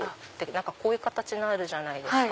こういう形あるじゃないですか。